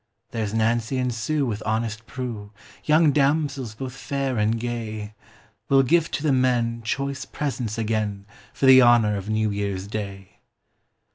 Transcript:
There's Nancy and Sue with honest Prue, Young damsels both fair and gay, Will give to the men choice presents again For the honor of New Year's day.